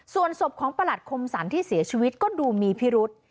ส่วนศพของประหลัดคมสรรที่เสียชีวิตก็ดูมีพิรุษ